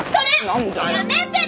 何だよ。